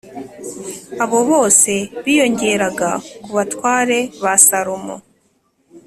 Abo bose biyongeraga ku batware ba Salomo